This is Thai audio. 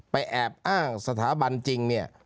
แอบอ้างสถาบันจริงเนี่ย